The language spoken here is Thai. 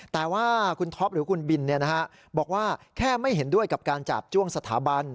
แต่ว่าคุณท็อปหรือคุณบินบอกว่าแค่ไม่เห็นด้วยกับการจาบจ้วงสถาบัน